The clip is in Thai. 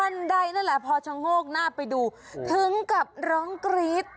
ใดนั่นแหละพอชะโงกหน้าไปดูถึงกับร้องกรี๊ด